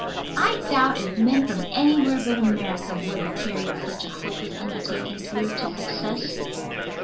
I doubt if men from anywhere but America would have carried such a hopeless undertaking through to success.